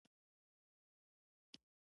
د هغه له خولې څخه اوبه په کمیس تویدې